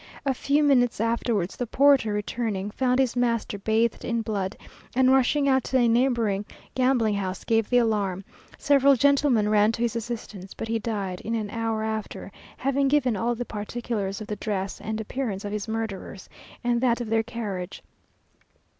A few minutes afterwards the porter returning found his master bathed in blood, and rushing out to a neighbouring gambling house, gave the alarm. Several gentlemen ran to his assistance, but he died in an hour after, having given all the particulars of the dress and appearance of his murderers, and that of their carriage.